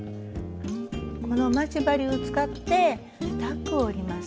この待ち針を使ってタックを折ります。